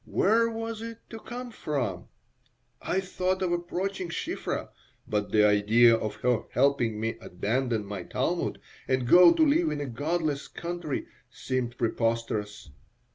Where was it to come from? I thought of approaching Shiphrah, but the idea of her helping me abandon my Talmud and go to live in a godless country seemed preposterous.